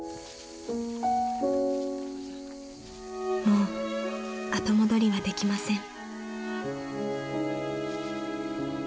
［もう後戻りはできません］